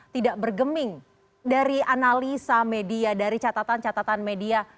tidak bergeming dari analisa media dari catatan catatan media